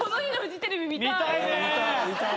見たいね！